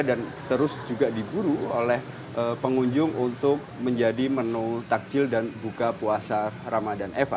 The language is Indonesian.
dan terus juga diburu oleh pengunjung untuk menjadi menu takjil dan buka puasa ramadhan eva